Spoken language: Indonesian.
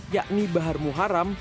yakni bahar muharam